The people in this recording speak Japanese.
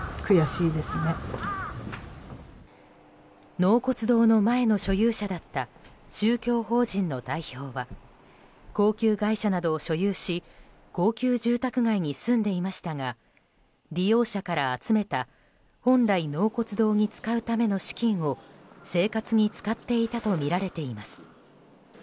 納骨堂の前の所有者だった宗教法人の代表は高級外車などを所有し高級住宅街に住んでいましたが利用者から集めた本来、納骨堂に使うための資金を生活に使っていたとみられています。